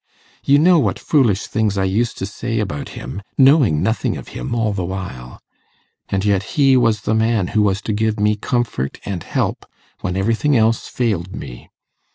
You know what foolish things I used to say about him, knowing nothing of him all the while. And yet he was the man who was to give me comfort and help when everything else failed me.